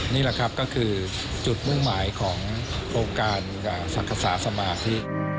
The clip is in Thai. นี่แหละครับก็คือจุดมุ่งหมายของโครงการสังฆษาสมาธิ